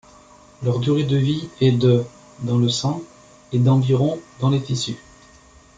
Leur durée de vie est de dans le sang et d’environ dans les tissus.